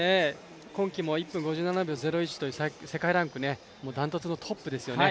今季も１分５７秒０１という世界ランク断トツのトップですよね。